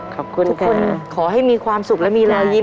ทุกคนขอให้มีความสุขและมีลายิ้ม